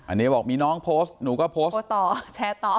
อันนี้บอกมีน้องโพสต์หนูก็โพสต์โพสต์ต่อแชร์ต่อ